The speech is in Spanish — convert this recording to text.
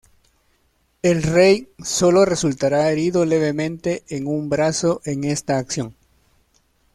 El rey sólo resultará herido levemente en un brazo en esta acción.